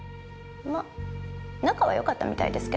まあ仲は良かったみたいですけど。